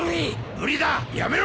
無理だやめろ！